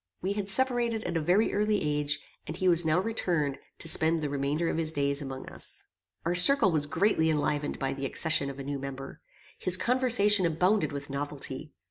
We had separated at a very early age, and he was now returned to spend the remainder of his days among us. Our circle was greatly enlivened by the accession of a new member. His conversation abounded with novelty.